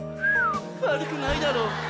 悪くないだろう。